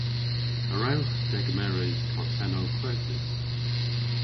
A wrewgh degemeres kartennow kresys?